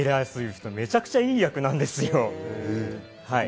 めちゃくちゃいい役なんですよ。